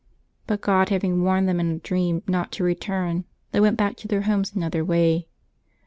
'' But God having warned them in a dream not to return, they went back to their homes another way.